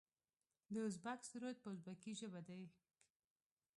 د ازبک سرود په ازبکي ژبه دی.